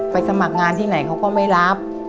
สมัครงานที่ไหนเขาก็ไม่รับ